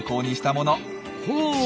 ほう。